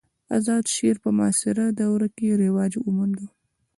آزاد شعر په معاصره دوره کښي رواج وموند.